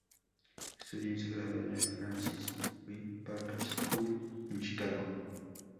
Estudió y se graduó en el "Francis W. Parker School", en Chicago.